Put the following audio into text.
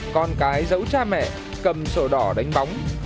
con cái giấu cha mẹ cầm sổ đỏ đánh bóng